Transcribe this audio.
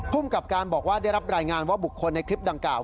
ภูมิกับการบอกว่าได้รับรายงานว่าบุคคลในคลิปดังกล่าว